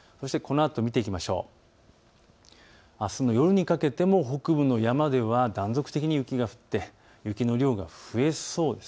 あすの夜にかけても北部の山では断続的に雪が降って雪の量が増えそうです。